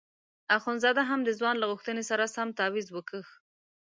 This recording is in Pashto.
اخندزاده هم د ځوان له غوښتنې سره سم تاویز وکیښ.